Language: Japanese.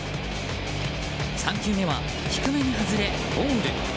３球目は低めに外れボール。